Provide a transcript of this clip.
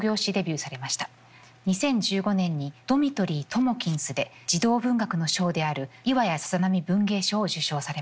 ２０１５年に「ドミトリーともきんす」で児童文学の賞である巌谷小波文芸賞を受賞されました。